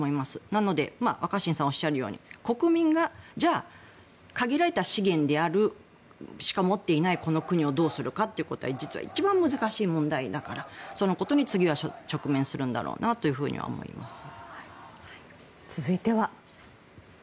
なので若新さんがおっしゃるように国民がじゃあ、限られた資源しか持っていないこの国をどうするかということは実は一番難しい問題だからそのことに次は直面するんだろうなとは思います。